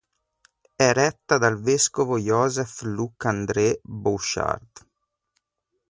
È retta dal vescovo Joseph Luc André Bouchard.